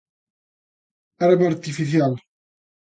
Herba artificial.